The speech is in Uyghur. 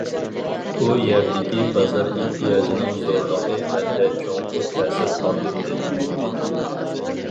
ئۇ يەردىكى بازار ئېھتىياجىنىڭ زورلۇقى مەندە چوڭقۇر تەسىر قالدۇردى.